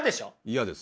嫌です。